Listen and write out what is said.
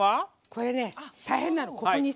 これね、大変なの。